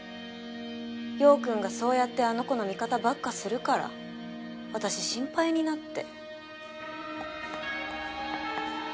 陽君がそうやってあの子の味方ばっかするから。私心配になって。